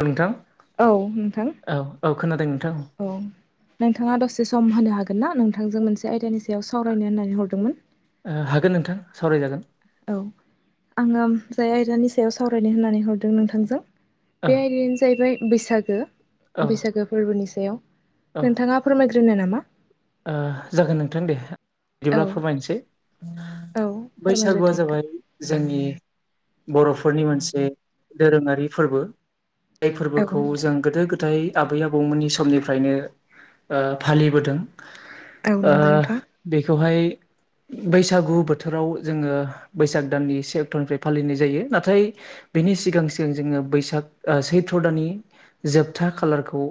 औ नोंथां औ नोंथां औ औ खोनादों नोंथां औ नोंथाङा दसे सम होनो हागोन ोन ना नोंथांजों मोनसे आयदानि सायाव सावरायनो होननानै हरदोंमोन ओ हागोन नोंथां सावरायजागोन औ आङो जाय आयदानि सायाव सावरायनो होननानै हरदों नोंथांजों औ बे आयदायानो जाहैबाय बैसागो औ बैसागो फोरबोनि सायाव औ नोंथाङा फोरमायग्रोनो नामा जागोन नोंथां दे औ बिदिब्ला फोरमायनोसै औ फोरारमग्र बैसागुआ दथा जाबाय जोंनि बरफोरनि मोनसे दोरोङारि फोरबो आाय औ फोरबोखौ नोंथां जों गोदो गोदाय आबै आबौमोननि समनिफ्रायनो फालिबोदों औ नंगौ नोंथां बेखौहाय बैसागु बोथोराव जोङो बैसाग दाननि से अक्ट'निफ्राय फालिनाय जायो नाथाय बे नि सिगां सिगां जोङो बैसाग सैथ्र दानि जोबथा खालारखौ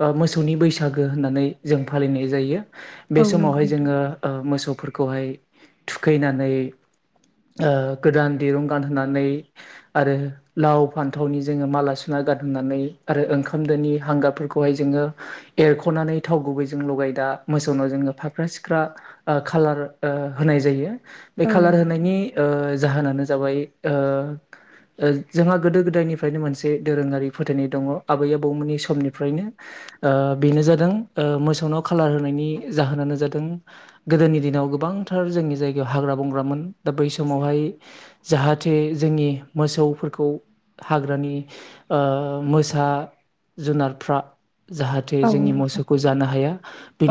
ब मोसौनि बैसागो होननानै जों फालिनाय जायो औ नंगौ बेसमावहाय नोंथां जोङो ओ मोसौफोरखौहाय थुखैनानै ओ गोदान दिरुं गानहोनानै आरो लाव फान्थावनि जोङो माला सुनानै गारनानै आरो ओंखाम दोनि हांगारफोरखौहाय जोङो एरखनानै थाव गुबै जों लगा दा मोसौनाव जोङो फाख्रा सिख्रा ओ खाालार ओ होनाय जायो बे औ खालार नंगौ नोंथां होनायनि ओ जाहोनानो जाबाय ओ ओ जोंहा गोदो गोदायनिफ्रायनो मोनसे दोरोङारि फोथायनाय दङ आबै आबौमोननि समनिफ्रायनो ओ बेनो जादों ओ मोसौनाव खालार होनायनि जाहोनानो जादों गोदोनि दिनाव गोबांथार जोंनि जायगायाव हाग्रा बंग्रामोन दा बै समावहाय जाहाथे जोंनि मोसौफोरखौ हाग्रानि ओ मोसा जुनारफ्रा जाहाथे औ जोंनि नंगौ मोसौखौ जानो हाया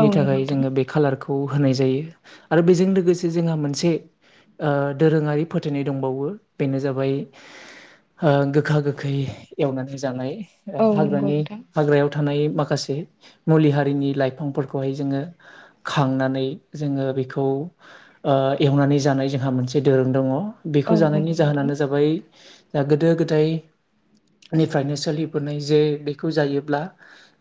औ नंगौ थाखाय नोंथां जोङो बे खालारखौ खौ होनाय जायो आरो बेजों लोगोसे जोंहा मोनसे ओ दोरोङारि फोथायनाय दंबावो बेनो जाबाय ओ गोखा गोखै एवनानै जानाय। ओ औ नंगौ हाग्रानि नोंथां हाग्रायाव थानाय माखासे मुलि हारिनि लाइ फां फारखौहाय जोंओ खंनानै जों बेखौ ओ एउनानै जानाय जायो जोंहा मोनसे दधोरोम दङ औ बेखौ जानायनि नंगौ नोंथां जाहोनानो जाबाय द गोदो गोदाय निफ्रायनो सोलिबोनाय जे बेखौ जायोब्ला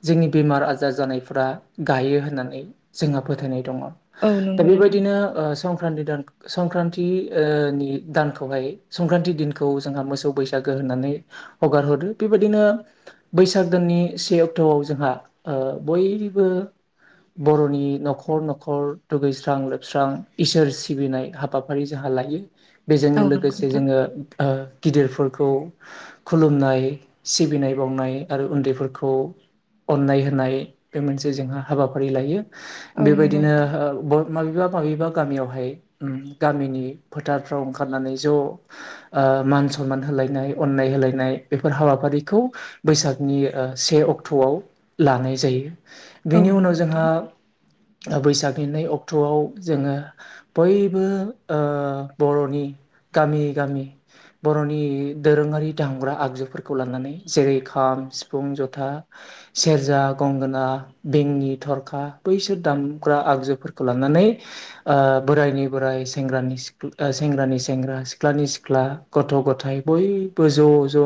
जोंनि बेमार आजार जानायफ्रा गायो होननानै जोंहा फोथायनाय दं औ दा नंगौ नोंथां बेबायदिनो ओ सम संक्रान्ति दान संक्रान्ति ओ नि दानखौहाय संक्रान्ति दिनखौ जोंहा मोसौ बैसागो होननानै हगार हरो बेबायदिनो बैसाग दाननि से अक्ट'आव जोंहा बयबो [unintelligible] बर'नि न'खर न'खर दुगैस्रां लोबस्रां इसोर सिबिनाय हाबाफारि जोंहालाय बेजोंनो औ नंगौ लोगोसे नोंथां जोङो ओ गिदिरफोरखौ खुलुमनाय सिबिनाय बावनाय आरो उन्दैफोरखौ अननाय होनाय बे मोनसे जोंहा हाबाफारि लायो औ नंगौ बेबायदिनो नोंथां ओ बो माबेबा माबेबा गामियावहाय उ गामिनि फोथारफ्राव ओंखारनानै ज' ओ ओ मान सनमान होलायनाय अननाय होलायनाय बेफोर हाबाफारिखौ बैसागनि ओ से अक्ट' फुंआव लानाय जायो औ बेनि उनाव नंगौ नोंथां जोंहा ओ बैसाबिनाय अक्ट'आव जोङो बयबो ओ बर'नि गामि गामि बर'नि दोरोङारि दाहामांग्रा आगजुफोरखौ लानानै जेरै खाम सिफुं जथा सेरजा गंगोना बेंनि थरखा बैसोर दामग्रा आगजुफोरखौ लानानै ओ बोरायनि बोराय सेंग्रानि सिख्ला सेंग्रानि सेंग्रा सिख्लानि सिख्ला गथ' गथाय बयबो ज' ज'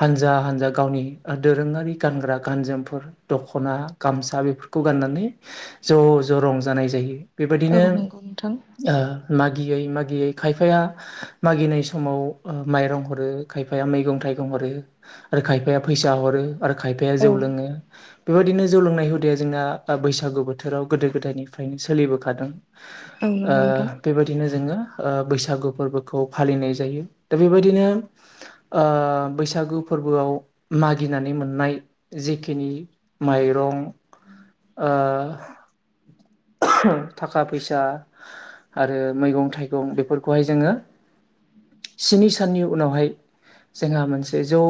हानजा हानजा गावनि दोरोङारि गानग्रा गानजोमफोर दख'ना गामसा बेफोरखौ गाननानै ज' ज' रंजानाय जायो औ बेबायदिनो नंगौ नोंथां। ओ माग यै मागियै खायफ मागिनाय समाव माइरं हरो खायफाया मैं थगं ह रो आरो खाय फैसा हरो आरो खायफ औ जौ लोङो बेबायदिनो जौ लोंनाय हुदाया जोंना बैसागु बोथोराव गोदो गोदायनिफ्रायनो सोलिबोखादों औ ओ नंगौ नोंथां। बेबायदिनो जोङो ओ बैसागु फोरबोखौ फालिनाय जायो दा बेबायदिनो ओ बैसागु फोरबोआव मागिनानै मोननाय जेखिनि माइ रं ओ थाखा फैसा आरो मैगं थाइगं बेफोरखौहाय जोङो स्नि साननि उनावहाय जोंहा मोनसे ज' ओ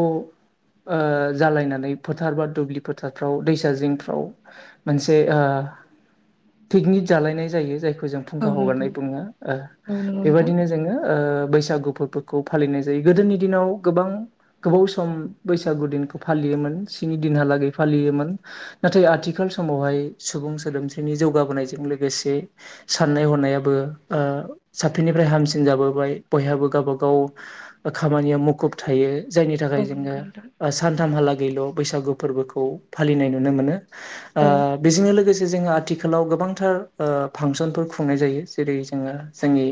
जालायनानै फोथार बा दुब्लि फोथारफ्राव दैसा जिं फ्राव मोनसे ओ पिकनिक जालायनाय जायो जाखौ फोर जों औ फुंखा नंगौ हगारनाय बुङो औ नंगौ नोंथां। बेबायदिनो जोङो ओ बैसागु फोरफोरखौ फालिनाय जायो गोदोनि दिनाव गोबां गोबाव सम बैसागु दिनखौ फालियो मोन स्नि दिनहालागै फालियोमोन नाथाय आथिखाल समावहाय सुबुं सोदोमस्रिनि जौगाबोनायजों लोगोसे साननाय हनाय हनायाबो ओ साबसिननिफ्राय हामसिन जाबोबाय बयहाबो गावब गाव खामानियाव मुखुब थायो जायनि औ थाखाय जोङो नंगौ नोंथां ओ सानथामहालागैल' बैसागु फोरबोखौ फालिनाय नुनो मोनो ओ औ बेजों नो लोगोसे जोहा आथिखालाव गोबांथार ओ फांसन फोर खुंनाय जायो जेरै जोङो जोंनि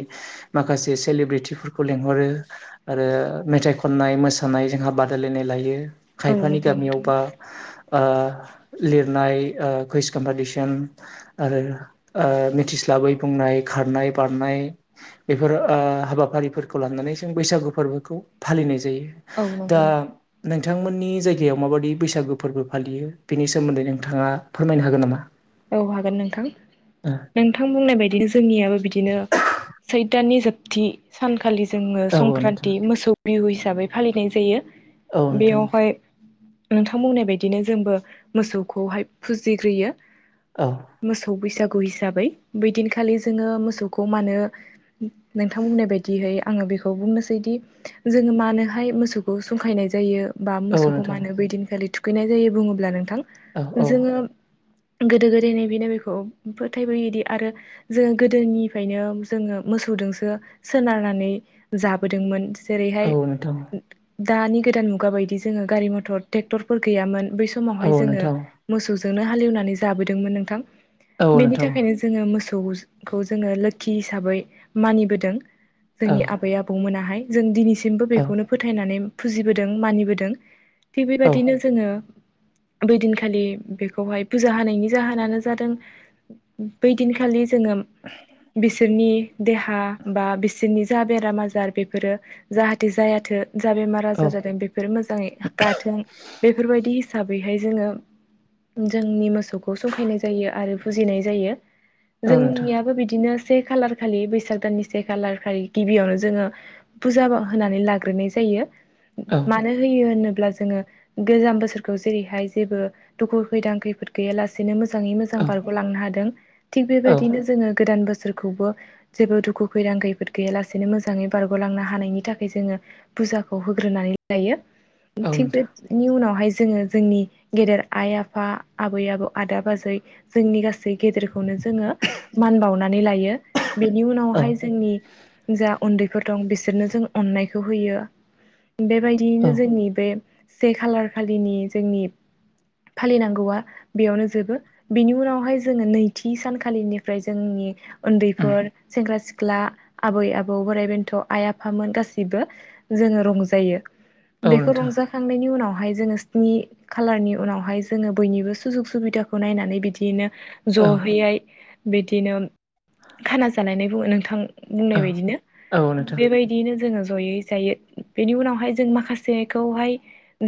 माखासे सिलिब्रेटिफोरखौ लिंहरो आरो मेथाइ खननाय मोसानाय जोंहा बादायलायनाय लायो औ खायफानि नंगौ गामियाव नोंथां। बा ओ लिरनाय ओ कुइस कम्पिटिसन आरो ओ मिथिस्लाबो गय बुंनाय खारनाय बारनाय बेफोर ओ हाबाफारिफोरखौ लानानै जों बैसागु फोरबो खौ फालिनाय जायो औ दा नंगौ नोंथां। नोंथांमोननि जायगायाव माबायदि बैसागो फोरबो फालियो बिनि सोमोन्दै नोंथाङा फोरमायनो हागोन नामा? औ हागोन नोंथां ओ नोंथां बुंनाय बायदि जोंनियाबो बिदिनो सैथो दाननि जोबथि सानखालि जोङो औ नोंथां संक्रान्ति मोसौ बिहु हिसाबै फालिनाय जायो औ नोंथां बेयावहाय नोंथां बुंनाय बायदिनो जोंबो मोसौखौहाय फुजिग्रोयो। औ मोसौ बैसा गु हिसाबै बै दिनखालि जोङो मोसौखौ मानो नोंथां बुंनाय बायदिहै आङो बेखौ बुंनोसैदि जोङो मानोहाय मोसौखौ संखायनाय जायो बा औ मोसौखौ नोंथां मानो बै दिन खालि थुखैनाय जायो बुङोब्ला नोंथां औ औ जोङो गोदो गोदायनिफ्रायनो बेखौ फोथायबोदि आरो जोङो गोदोनिफ्रायनो जोङो मोसौ जोंसो सोनारनानै जाबोदोंमोन। जेरै हाय औ नोंथां दानि गोदान मुगा बायदि जोङो गारि मथर ट्रेक्टरफोर गैयामोन बै औ समावहाय जोङो नोंथां मोसौ जोंनो हालेवनानै जाबोदोंमोन नोंथां औ बेनि नोंथां थाखायनो जोङो मोसौखौ जोङो लोखि हिसाबै मानिबोदों औ जोंनि आबै आबौ मोनाहाय जों दिनैसिमबो औ बेखौनो फोथायनानै फुजिबोदों मानिबोदों थिग बे औ बायदिनो जोङो बै दिन खालि बेखौहाय पु जा जाहोनानायनि जाहोनानो जादों बै दिनखालि जोङो बिसोरनि देहा बा बिसोरनि जा बेराम आजार बेफोरो जाहाथे जायाथों जा बेमार आजार औ जादों बेफोर मोजाङै गाथों बेफोरबायदि हिसाबै हाय जोङो जोंनि मोसौ‌खौ संखायनाय जायो आरो फुजिनाय जायो औ नोंथां जोंनियाबो बिदिनो से खालार खालि बैसाग दाननि से खालार खालि गिबियावनो जोङो फुजा होनानै लाग्रोनाय जायो यो औ मानो होयो होनो ब्ला जोङो गोजाम बोसोरखौ जेरैहाय जेबो दुखु खैदां खैफोद गैया लासेनो मो मोजाङै मोजां औ बारग' लांनो हादों थिग बे औ बायदिनो जोङो गोदान बोसोर रखौबो जेबो दुखु खैदां खैफोद गैया लासेनो मोजाङै बारग'लांनो हानायनि थाखाय जोङो फुजाखौ होग्रोनानै लायो औ थिग नोंथां बेनि उनावहाय जोङो जोंनि गेदेर आइ आफा आबै आबौ आदा बाजै जोंनि गासै गेदेरखौनो जोङो मान बावनानै लायो। बेनि औ उनावहाय जोंनि जा उन्दैफोर दं बिसोरनो जों अननाय खौ होयो बे औ बायदियैनो जोंनि बे से खालार खालिनि जोंनि फालिनांगौआ बेयावनो जोबो बिनि उनावहाय जोङो नैथि सानखालिनिफ्राय जोंनि उम उन्दैफोर सेंग्रा सि ख्ला आबै आबौ बोराइ बेन्थ' आइ आफामोन गासैबो जोङो रंजायो। औ बेखौ नोंथां रंजा खांनायनि उनावहाय जोङो स्नि खाालारनि उनावहाय जोङो बयनिबो सुजुग सुबिदाखौ नायनानै बिदिनो औ जहैयै बिदिनो खाना जालायनाय बुङो नोंथां बुंनाय औ बायदिनो औ नोंथां बेबायदियैनो जोङो जयै जायो बेनि उनावहाय जों माखासेखौहाय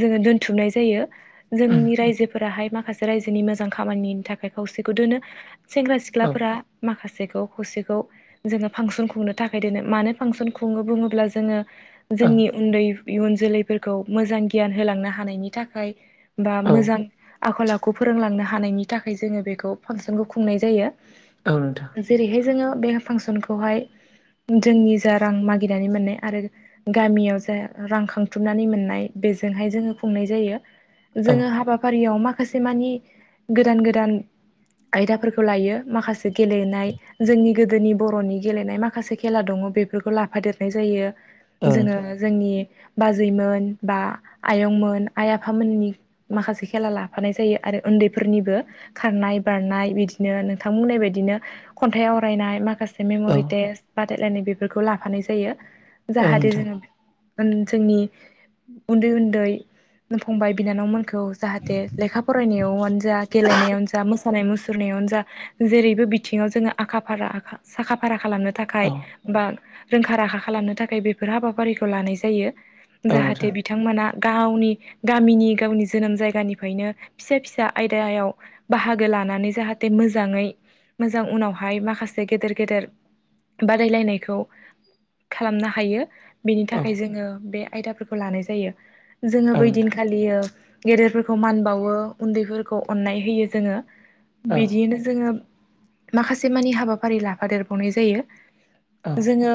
जोङो दोनथुमनाय जायो। उम जोंनि रायजोफोराहाय माखासे रायजोनि मोजां खामानिनि थाखाय खावसेखौ दोनो। सेंग्रा औ सिख्लाफोरा माखा सेखौ खौसेखौ जोङो फांसन खुंनो थाखाय दोनो मानो फांसन खुङो बुङोब्ला जोङो औ जोंनि उन्दै इयुन जोलैफोरखौ मोजां गियान होलांनो हानायनि थाखाय बा औ मोजां आखल आखु फोरोंलांनो हानायनि थाखाय जोङो बेखौ फांसनखौ खुंनाय जायो। औ नोंथां जेरैहाय जोङो बे फांसनखौहाय जोंनि जा रां मागिनानै मोननाय आरो गामियाव जा रां खांथुमनानै मोननाय बेजोंहाय जोङो खुंनाय जायो औ जोङो हाबाफारियाव माख खासे मानि गोदान गोदान आयदाफोरखौ लायो माखासे गेलेनाय जोंनि गोदीनि जोंनि बर'नि गेलेनाय माखासे खेला दङ बेफोरखौ लाफादेरनाय जायो औ जोङो नोंथां जोंनि बाजैमोन बा आयंमोन आइ आफामोननि माखासे खेला ला फानाय जायो आरो उन्दैफोरनिबो खारनाय बारनाय बिदिनो नोंथांबुंनाय बायदिनो खन्थायाव सावरायनाय माखासे मेम'रि औ टेस्ट बादायलायनाय बेफोरखौ लाफानाय जायो औ नोंथां औ जाहाथे नोंथां जोङो जोंनि उन्दै उन्दै फंबाय बिनानावमोनखौ जाहाथे लेखा फरायनायावनो जा गेलेनायावनो जा मोसानाय मु सुरनायावनो जा जेरैबो बिथिङाव जोङो आखा फाराखा साखा फारा खालामनो थाखाय बा रोंखा राखा खालामनो थाखाय बेफोर हाबाफारिखौ लानाय जायो जाहाथे बिथांमोना गावनि गामिनि गावनि जोनोम जायगानि फैनो फिसा फिसा आयदायाव बाहागो लानानै जाहाथे मोजाङै मोजां उनावहाय माखासे गेदेर गेदेर बादायलायनायखौ खालामनो हायो बेनि औ थाखाय जोङो बे आयदाफोरखौ लानाय जायो जोङो औ नोंथां बैदिनखालियो गेदेरफोरखौ खौ मान बावो उन्दैफोरखौ अननाय होयो जोङो औ बिदियैनो जोङो माखासे मानि हाबाफारि लाफादेरबावनाय जायो औ जोङो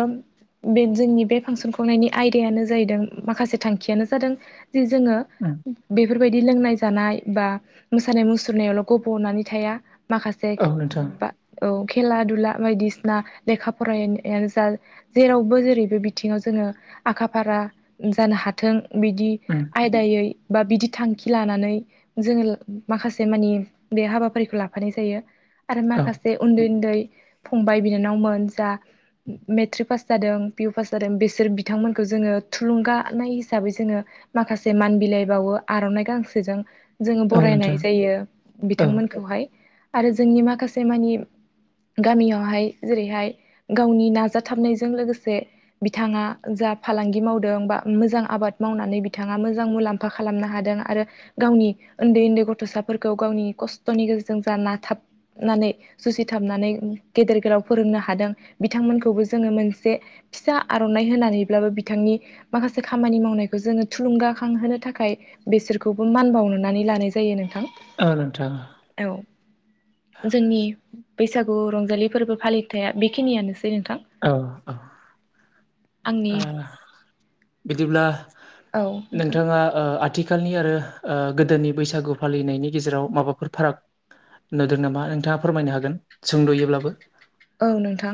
बे जोंनि बे फांसन खुंनायनि आयदायानो जाहैदों माखासे थांखियानो जादों जि जोङो उम बे बिदि लोंनाय जानाय बा मोसानाय मुसुरनायावल' गब'नानै थाया माखासे औ नोंथां बा औ खेला दुला बायदिसिना लेखा फरायनायानो जा जेरावबो जेरै बे बिथिङाव जोङो आखा फारा जानो हाथों बिदि उम आयदायै बा बिदि थांखि लानानै जोङो माखासे मानि बे हाबाफारिखौ लाफानाय जायो आरो औ माखासे उन्दै उन्दै फंबाय बिनानावमोन जा मेट्रिक पास जादों पि इउ पास जादों बेसोर बिथांमोनखौ जोङो थुलुंगानाय हिसाबै जोङो माखासे मान बिलाइ बावो आर'नाइ गांसेजों जोङो औ नोंथां बरायनाय जायो औ बिथांमोनखौहाय आरो जोंनि माखासे मानि गामियावहाय जेरैहाय गावनि नाजाथाबनायजों लोगोसे बिथाङा जा फालांगि मावदों बा मोजां आबाद मावनानै बिथाङा मोजां मुलाम्फा खालामनो हाद दों आरो गावनि उन्दै उन्दै गथ'साफोरखौ गावनि खस्थ'नि गेजेरजों जा नाथाबनानै ए जुसिथाबनानै गेदेर गोलाव फोरोंनो हादों बिथांमोनखौबो जोङो मोनसे फिसा आर'नाइ होनानैब्लाबो बिथांनि माखासे खामानि मावनायखौ जोङो थुलुंगाखांहोनो थाखाय बेसोरखौबो मान बावनानै लानाय जायो नों थां औ नोंथां औ जोंनि बैसागु रंजालि फोरबो फालिथाया बेखिनियानोसै नोंथां औ-औ आंनि औ बिदिब्ला नोंथां नोंथाङा ओ आथिखालनि आरो गोदोनि बैसागु फालिनायनि गेजेराव माबाफोर फाराग नुदों नामा नोंथाङा फोरमायनो हागोन सुंद'योब्लाबो। औ नोंथां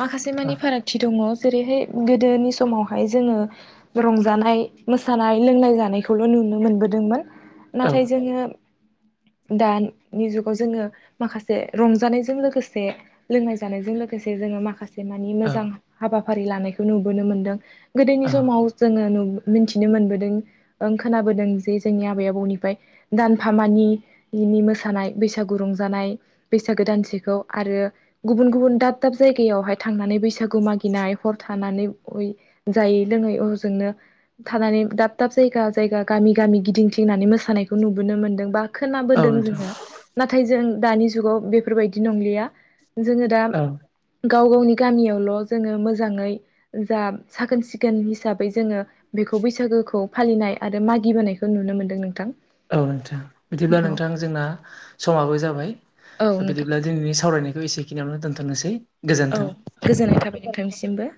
माखासे औ मानि फारागथि दङ जेरैहाय गोदोनि सम समावहाय जोङो रंजानाय मोसानाय लोंनाय जानायखौल' नुनो मोनबोदोंमोन। औ नाथाय जोङो। दानि जुगाव जोङो माखासे रंजानायजों लोगोसे लोंनाय जानायजों लोगोसे जोङो माखासे मानि मोजां औ हाबाफारि लानायखौ नुबोनो मोनदों। गोदोनि समाव जोङो नुबो मिथिनो मोनबोदों खोनाबोदों जे जोंनि आबै आबौनिफ्राय दानफामानि नि मोसानाय बैसागु रंजानाय बैसागो दानसेखौ आरो गुबुन-गुबुन दाब-दाब जायगायावहाय थांनानै बैसागु मागिनाय हर थानानै जायै लों हजोनो थानानै दाब-दाब जायगा-जायगा गामि-गामि गिदिंथिंनानै मोसानायखौ नुबोनो मोनो मोनदों बा औ खोनाबोदों नोंथां जोंङो नाथाय जों दानि जुगाव बेफोरबायदि नंलिया। जोंङो दा औ गाव-गावनि गामियावल' जोंङो मोजाङै जा साखोन सिखोन हिसाबै जोङो बेखौ खौ बैसागोखौ फालिनाय आरो मागिबोनायखौ नुनो मोनदों नोंथां। औ नोंथां बिदिब्ला औ नोंथां जोंना समाबो जाबाय। औ नोंथां बिदिब्ला दिनैनि सावरायनायखौ एसेखिनियावनो दोनथ'नोसै। औ गोजोन्थों गोजोननाय थाबाय नोंथांनिसिमबो।